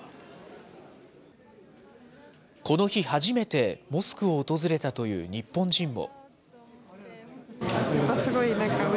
この日、初めてモスクを訪れたという日本人も。